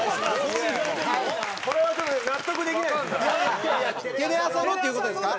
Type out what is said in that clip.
これは納得できないですね。